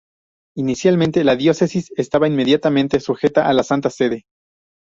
Inicialmente la diócesis estaba inmediatamente sujeta a la Santa Sede.